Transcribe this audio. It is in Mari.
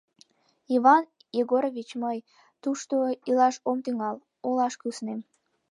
— Иван Егорович, мый... тушто илаш ом тӱҥал, олаш куснем.